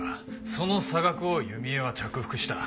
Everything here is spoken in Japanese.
その差額を弓江は着服した。